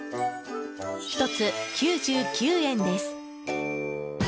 １つ９９円です。